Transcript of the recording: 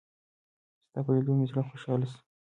ستا په لېدو مې زړه خوشحاله شو.